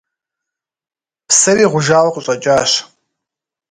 Псыри гъужауэ къыщӏэкӏащ.